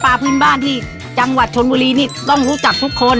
พื้นบ้านที่จังหวัดชนบุรีนี่ต้องรู้จักทุกคน